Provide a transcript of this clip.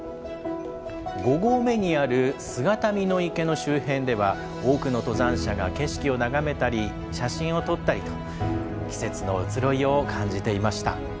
５合目にある姿見の池の周辺では、多くの登山者が景色を眺めたり、写真を撮ったりと、季節の移ろいを感じていました。